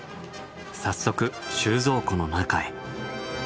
早速収蔵庫の中へ。